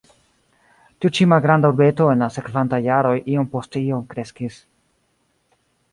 Tiu ĉi malgranda urbeto en la sekvantaj jaroj iom post iom kreskis.